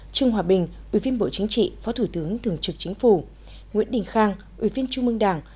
trương hòa bình ủy viên bộ chính trị phó thủ tướng thường trực chính phủ nguyễn đình khang ủy viên trung mương đảng